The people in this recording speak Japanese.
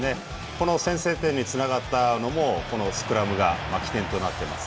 この先制点につながったのもスクラムが起点となっています。